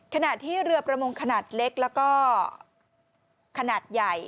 ขณะที่เรือประมงขนาดเล็กแล้วก็ขนาดใหญ่